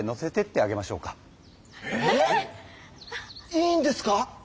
いいんですか？